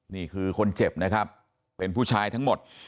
นี่คือคนเจ็บนะครับเป็นผู้ชายทั้งหมด